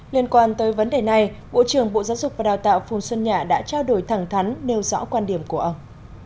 liên quan tới vấn đề này bộ trưởng bộ giáo dục và đào tạo phùng xuân nhã đã trao đổi thẳng thắn nêu rõ quan điểm của ông